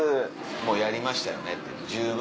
もうやりましたよねって十分。